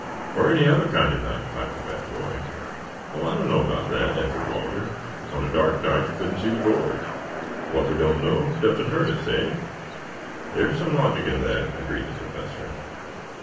"Or any other kind of a night," piped the fat boy. "Oh, I don't know about that," answered Walter. "On a dark night you couldn't see the gorge. What we don't know doesn't hurt us, eh?" "There is some logic in that," agreed the Professor.